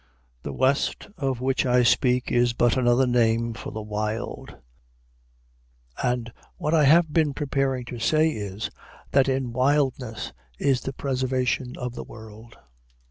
The West of which I speak is but another name for the Wild; and what I have been preparing to say is, that in Wildness is the preservation of the World.